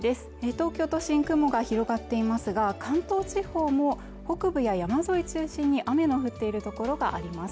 東京都心雲が広がっていますが、関東地方も北部や山沿い中心に雨の降っているところがあります。